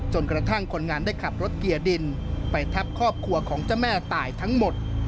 จนกระทั่งคนงานได้ขับรถเกียร์ดินไปทับครอบครัวของเจ้าแม่ตายทั้งหมด